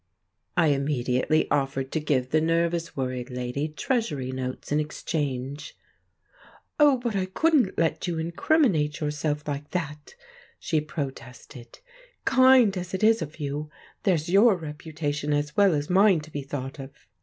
I immediately offered to give the nervous, worried lady Treasury notes in exchange. "Oh, but I couldn't let you incriminate yourself like that," she protested, "kind as it is of you. There's your reputation as well as mine to be thought of."